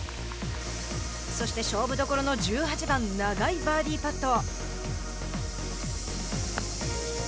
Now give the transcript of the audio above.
そして勝負どころの１８番長いバーディーパット。